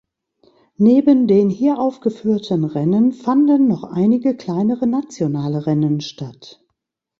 Neben den hier aufgeführten Rennen fanden noch einige kleinere, nationale Rennen statt.